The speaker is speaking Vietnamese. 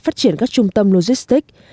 phát triển các trung tâm logistic